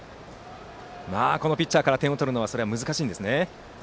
まあ、このピッチャーから点を取るのは難しいんですね。